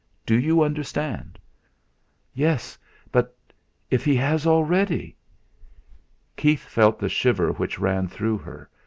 "Do you understand?" "Yes but if he has already!" Keith felt the shiver which ran through her.